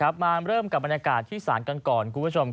อย่างไรนะครับเริ่มกับบรรยากาศที่สารกันก่อน